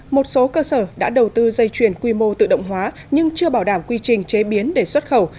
một số cơ sở đã đầu tư dây chuyền quy mô tự động hóa nhưng chưa bảo đảm quy trình chế biến để xuất khẩu